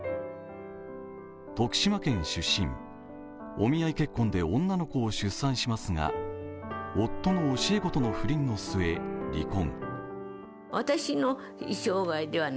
徳島県出身、お見合い結婚で女の子を出産しますが夫の教え子との不倫の末離婚。